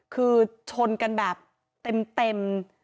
คือชนกันแบบเต็ม